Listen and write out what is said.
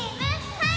はい！